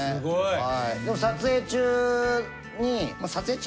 はいでも撮影中に。